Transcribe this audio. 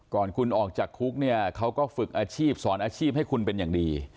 ก่อนคุณออกจากคุกเนี่ยเขาก็ฝึกอาชีพสอนอาชีพให้คุณเป็นอย่างดี